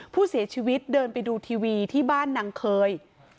ผู้เสียชีวิตเดินไปดูทีวีที่บ้านนางเคย